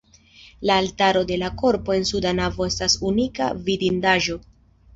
La altaro de la korpo en suda navo estas unika vidindaĵo.